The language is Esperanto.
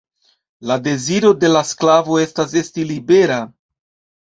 La deziro de la sklavo estas esti libera.